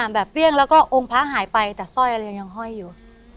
เปรี้ยงแล้วก็องค์พระหายไปแต่สร้อยอะไรยังห้อยอยู่